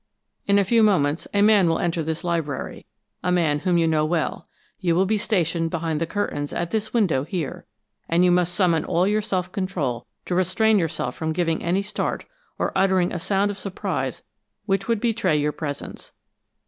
"In a few moments, a man will enter this library a man whom you know well. You will be stationed behind the curtains at this window here, and you must summon all your self control to restrain yourself from giving any start or uttering a sound of surprise which would betray your presence.